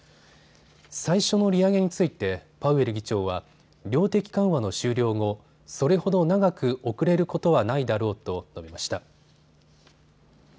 最初の利上げについてパウエル議長は量的緩和の終了後、それほど長く遅れることはないだろうと述べました。